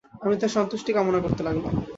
আমি তার সন্তুষ্টি কামনা করতে লাগলাম।